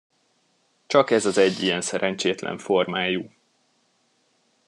Csak ez az egy ilyen szerencsétlen formájú.